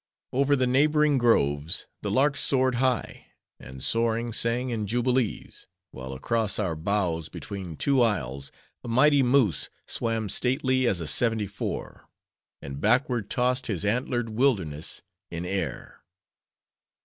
Over the neighboring groves the larks soared high; and soaring, sang in jubilees; while across our bows, between two isles, a mighty moose swam stately as a seventy four; and backward tossed his antlered wilderness in air.